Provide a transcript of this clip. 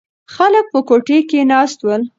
خلک په کوټه کې ناست ول.